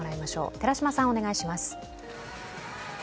寺島さん、お願いします。